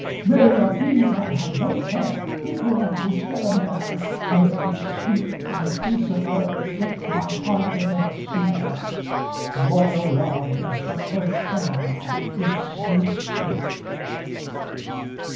"Nay of these I have no care, Nicolete is debonaire, Her body sweet and the face of her Take my heart as in a snare, Loyal love is but her share That is so sweet."